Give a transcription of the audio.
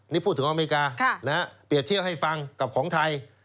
นี่พูดถึงอเมริกาเปรียบเทียบให้ฟังกับของไทย